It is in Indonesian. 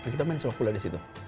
kita main sepak bola disitu